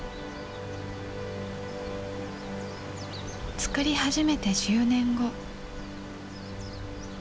造り始めて１０年後。